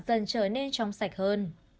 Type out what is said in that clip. dần trở nên trong sạch hơn